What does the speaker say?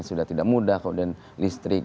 sudah tidak mudah kemudian listrik